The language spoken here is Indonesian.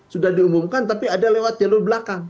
sudah diumumkan tapi ada lewat jalur belakang